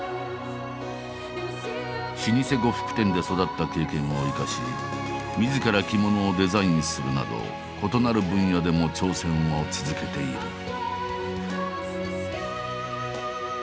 老舗呉服店で育った経験を生かしみずから着物をデザインするなど異なる分野でも挑戦を続けている。